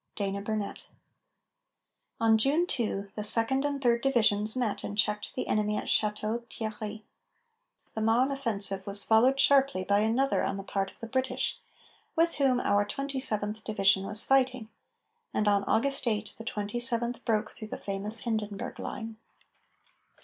DANA BURNET. On June 2, the Second and Third Divisions met and checked the enemy at Château Thierry. The Marne offensive was followed sharply by another on the part of the British, with whom our Twenty Seventh Division was fighting, and on August 8 the Twenty Seventh broke through the famous Hindenburg line.